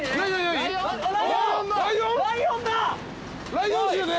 ライオンっすよね？